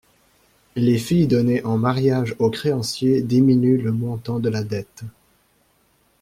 Les filles données en mariage au créancier diminuent le montant de la dette.